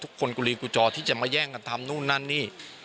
กุลีกุจอที่จะมาแย่งกันทำนู่นนั่นนี่